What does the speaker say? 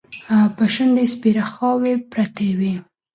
په شونډو یې سپېرې خاوې پرتې وې.